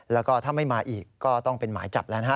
แล้วก็ถ้าไม่มาอีกก็ต้องเป็นหมายจับแล้วนะฮะ